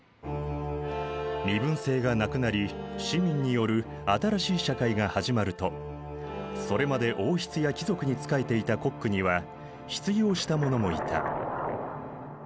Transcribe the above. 身分制がなくなり市民による新しい社会が始まるとそれまで王室や貴族に仕えていたコックには失業した者もいた。